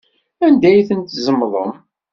Anda ay ten-tzemḍem?